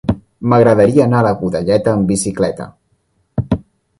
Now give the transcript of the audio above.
M'agradaria anar a Godelleta amb bicicleta.